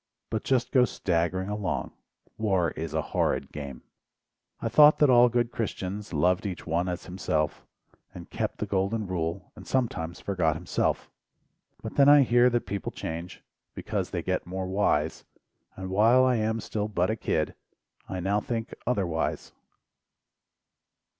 But just go staggering along, War is a horrid game! I thot that all good Christians, Loved each one as himself, And kept the Golden Rule, And sometimes forgot himself, But then I hear that people change LIFE WAVES 43 Because they get more wise, And while I am still but a "kid" I now think "otherwise."